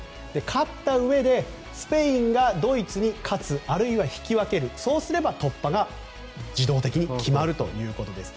勝ったうえでスペインがドイツに勝つあるいは引き分けるそうすれば突破が自動的に決まるということです。